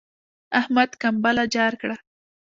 احمد کمبله جار کړه.